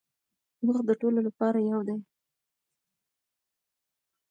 وخت د ټولو لپاره یو دی.